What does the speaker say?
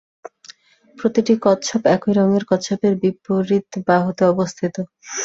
প্রতিটি কচ্ছপ, একই রঙের কচ্ছপের বিপরীত বাহুতে অবস্থিত।